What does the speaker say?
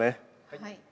はい。